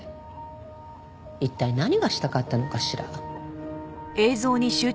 一体何がしたかったのかしら？